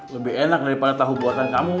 lebih enak daripada tahu buatan kamu